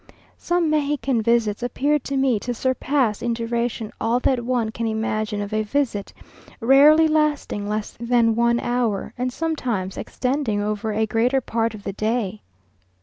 Some Mexican visits appear to me to surpass in duration all that one can imagine of a visit, rarely lasting less than one hour, and sometimes extending over a greater part of the day.